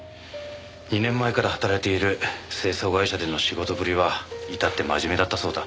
２年前から働いている清掃会社での仕事ぶりは至って真面目だったそうだ。